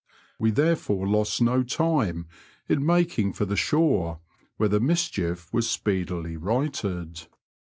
We therefore lost no time in making for the shore, where the mischief was speedily righted.